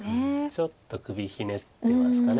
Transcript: ちょっと首ひねってますかね。